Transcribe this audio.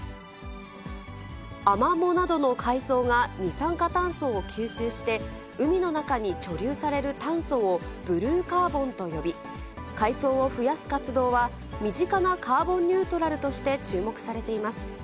アマモなどの海草が二酸化炭素を吸収して、海の中に貯留される炭素をブルーカーボンと呼び、海草を増やす活動は、身近なカーボンニュートラルとして注目されています。